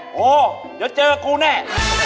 โอ้โฮเดี๋ยวเจอกูแน่